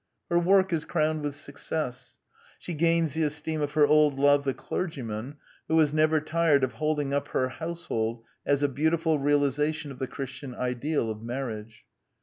Her work is crowned with success. She gains the esteem of her old love the clergyman, who is never tired of holding up her household as a beautiful realization of the Christian ideal of marriage.